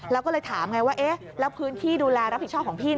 แล้วก็เลยถามไงว่าแล้วพื้นที่ดูแลรับผิดชอบของพี่